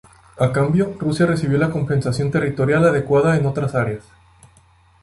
A cambio, Rusia recibió la compensación territorial adecuada en otras áreas.